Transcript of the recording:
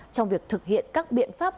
trong việc thực hiện các biện pháp